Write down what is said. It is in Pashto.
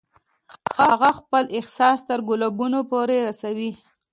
هغه خپل احساس تر ګلابونو پورې رسوي